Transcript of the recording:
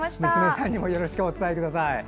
娘さんにもよろしくお伝えください。